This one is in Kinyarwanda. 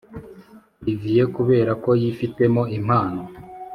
olivier kubera ko yifitemo impano